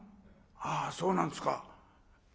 「あそうなんですか。